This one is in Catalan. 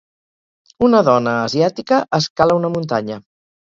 Una dona asiàtica escala una muntanya